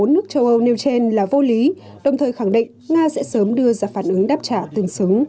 bốn nước châu âu nêu trên là vô lý đồng thời khẳng định nga sẽ sớm đưa ra phản ứng đáp trả tương xứng